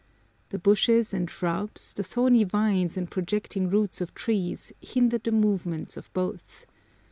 The bushes and shrubs, the thorny vines and projecting roots of trees, hindered the movements of both.